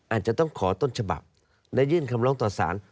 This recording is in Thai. อาจจะต้องขอต้นฉบับและยื่นคำร้องต่อสาร